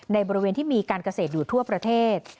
บริเวณที่มีการเกษตรอยู่ทั่วประเทศ